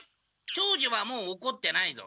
長次はもうおこってないぞ。